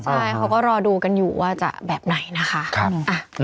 ใช่เขาก็รอดูกันอยู่ว่าจะแบบไหนนะคะ